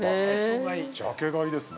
◆ジャケ買いですね。